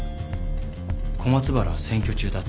小松原は選挙中だった。